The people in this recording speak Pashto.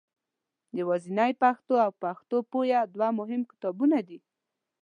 یوازنۍ پښتو او پښتو پښویه دوه مهم کتابونه دي.